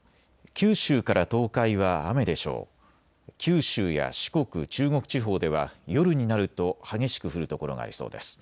九州や四国、中国地方では夜になると激しく降る所がありそうです。